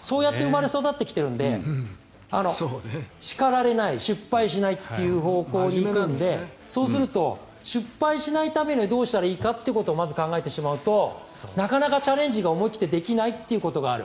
そうやって生まれ育ってきているので叱られない、失敗しないっていう方向に行くのでそうすると失敗しないためにはどうしたらいいかってことをまず考えてしまうとなかなかチャレンジが思い切ってできないところがある。